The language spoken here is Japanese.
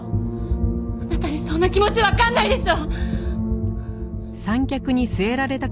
あなたにそんな気持ちわかんないでしょ！